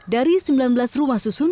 dari sembilan belas rumah susun